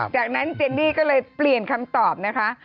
จากนั้นเจนนี่ก็เลยเปลี่ยนคำตอบนะคะ